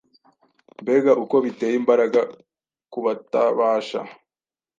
Mbega uko biteye imbaraga ku batabasha